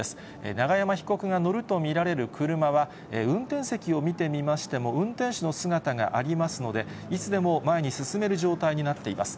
永山被告が乗ると見られる車は、運転席を見てみましても、運転手の姿がありますので、いつでも前に進める状態になっています。